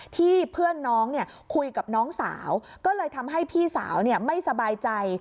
เพื่อนน้องคุยกับน้องสาวก็เลยทำให้พี่สาวไม่สบายใจ